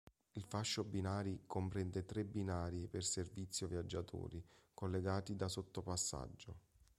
Il fascio binari comprende tre binari per servizio viaggiatori collegati da sottopassaggio.